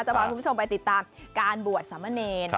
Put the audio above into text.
พาคุณผู้ชมไปติดตามการบวชสามเณร